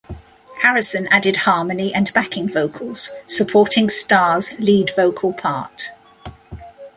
Harrison added harmony and backing vocals, supporting Starr's lead vocal part.